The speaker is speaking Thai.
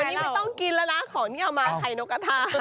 อันนี้ไม่ต้องกินแล้วนะของที่เอามาไข่นกกระทา